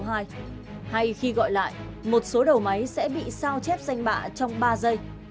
hay khi gọi lại một số đầu máy sẽ bị sao chép danh bạ trong ba giây